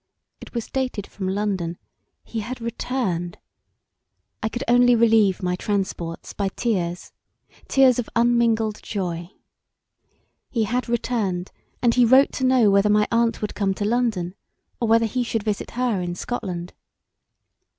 It was dated from London; he had returned! I could only relieve my transports by tears, tears of unmingled joy. He had returned, and he wrote to know whether my aunt would come to London or whether he should visit her in Scotland.